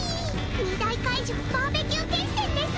二大怪獣バーベキュー決戦です！